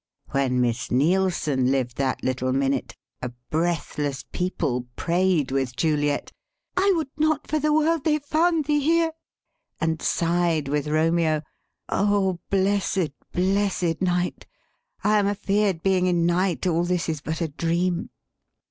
When Miss Neilson lived that little minute, a breath less people prayed with Juliet, 'I would not for the world they found thee here,' and sighed with Romeo 'O blessed, blessed night! I am afeard, being in night, all this is but a dream.'